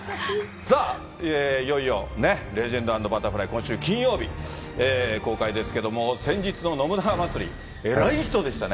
さあ、いよいよ、レジェンド＆バタフライ、今週金曜日公開ですけども、先日の信長祭り、えらい人でしたね。